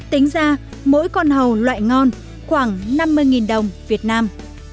tính ra mỗi con hầu loại ngon khoảng năm mươi đồng việt nam